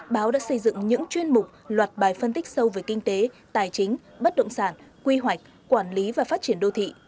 báo đã xây dựng những chuyên mục loạt bài phân tích sâu về kinh tế tài chính bất động sản quy hoạch quản lý và phát triển đô thị